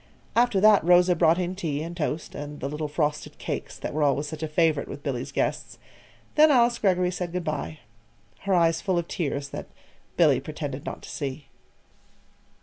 After that, Rosa brought in tea and toast, and the little frosted cakes that were always such a favorite with Billy's guests. Then Alice Greggory said good by her eyes full of tears that Billy pretended not to see.